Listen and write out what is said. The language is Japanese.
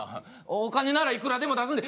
お金ならいくらでも出すんで。